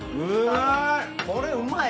うまい！